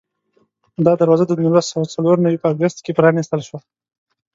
دا دروازه د نولس سوه څلور نوي په اګست کې پرانستل شوه.